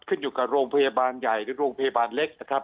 ขึ้นอยู่กับโรงพยาบาลใหญ่หรือโรงพยาบาลเล็กนะครับ